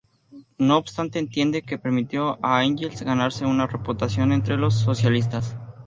No obstante, entiende que permitió a Engels ganarse una reputación entre los socialistas.